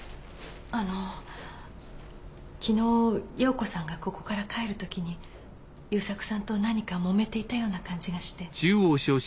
あの昨日洋子さんがここから帰るときに佑作さんと何かもめていたような感じがして。